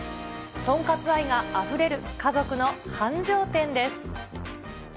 豚カツ愛があふれる家族の繁盛店です。